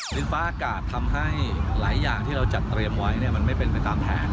ฟ้าอากาศทำให้หลายอย่างที่เราจัดเตรียมไว้มันไม่เป็นไปตามแผน